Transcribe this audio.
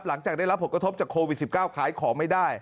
หลังจากได้รับปกทศจากโควิด๑๙